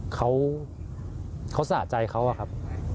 เขาสะใจเขาอะครับ